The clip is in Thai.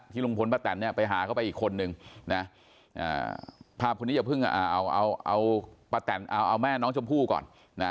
ที่ลุงพลป้าแต่นเนี่ยไปหาเข้าไปอีกคนนึงภาพคนนี้อย่าเพิ่งเอาแม่น้องชมพู่ก่อน